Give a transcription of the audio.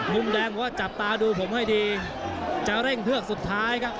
มุมแดงบอกว่าจับตาดูผมให้ดีจะเร่งเผือกสุดท้ายครับ